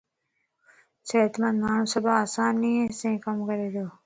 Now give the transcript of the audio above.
صحتمند ماڻھو سڀ ڪم آسانيءَ سين ڪري تو.